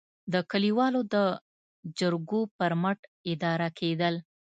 د کلیوالو د جرګو پر مټ اداره کېدل.